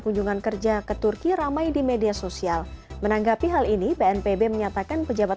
kunjungan kerja ke turki ramai di media sosial menanggapi hal ini bnpb menyatakan pejabat